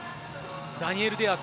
ダニエル・デアース。